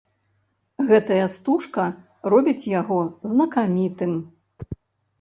Гэтая стужка робіць яго знакамітым.